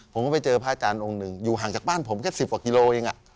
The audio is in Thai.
ผมก็ไปเจอพระอาจารย์องค์หนึ่งอยู่ห่างจากบ้านผมแค่๑๐กว่ากิโลเอง